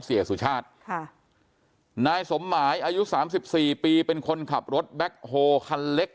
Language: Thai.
เสียสุชาติค่ะนายสมหมายอายุสามสิบสี่ปีเป็นคนขับรถแบ็คโฮคันเล็ก